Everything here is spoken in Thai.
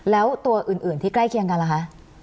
แล้วตัวอื่นที่ใกล้เคียงกันล่ะคะ